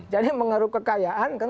jadi mengeru kekayaan kan